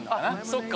そっか。